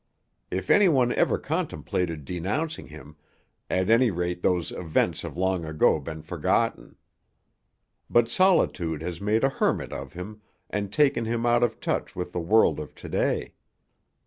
If anyone ever contemplated denouncing him, at any rate those events have long ago been forgotten. But solitude has made a hermit of him and taken him out of touch with the world of to day.